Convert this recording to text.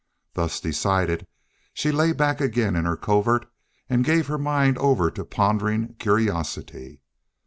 Thus decided, she lay back again in her covert and gave her mind over to pondering curiosity.